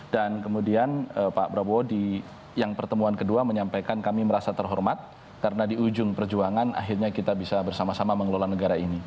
dan kemudian pak prabowo yang pertemuan kedua menyampaikan kami merasa terhormat karena di ujung perjuangan akhirnya kita bisa bersama sama mengelola negara ini